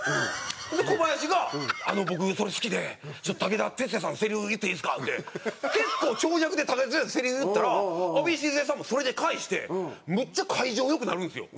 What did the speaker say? でコバヤシが「僕それ好きでちょっと武田鉄矢さんのせりふ言っていいですか？」って結構長尺で武田鉄矢さんのせりふ言ったらあべ静江さんもそれで返してむっちゃ会場良くなるんですよ。